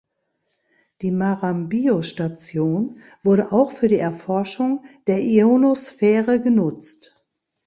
Die Marambio-Station wurde auch für die Erforschung der Ionosphäre genutzt.